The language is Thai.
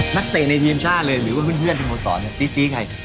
เตะในทีมชาติเลยหรือว่าเพื่อนเป็นคนสอนซี้ใคร